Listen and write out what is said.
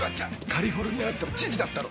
カリフォルニアだったら知事だったろ。